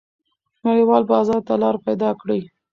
نړیوال بازار ته لار پیدا کړئ.